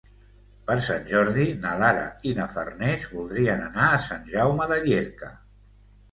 Per Sant Jordi na Lara i na Farners voldrien anar a Sant Jaume de Llierca.